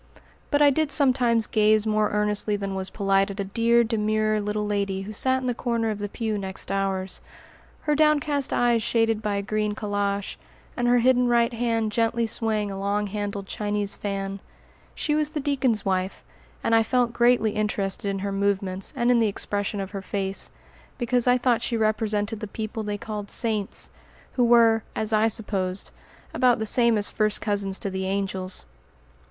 But I did sometimes gaze more earnestly than was polite at a dear, demure little lady who sat in the corner of the pew next ours, her downcast eyes shaded by a green calash, and her hidden right hand gently swaying a long handled Chinese fan. She was the deacon's wife, and I felt greatly interested in her movements and in the expression of her face, because I thought she represented the people they called "saints," who were, as I supposed, about the same as first cousins to the angels.